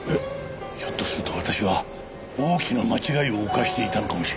ひょっとすると私は大きな間違いを犯していたのかもしれない。